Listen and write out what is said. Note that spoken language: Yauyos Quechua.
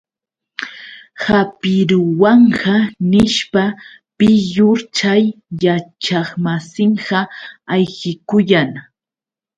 ¡Hapiruwanqa!, nishpa, piyur chay yachaqmasinqa ayqikuyan.